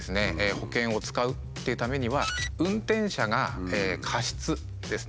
保険を使うっていうためには運転者が過失ですね